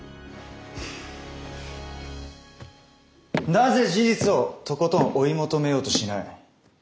なぜ事実をとことん追い求めようとしない。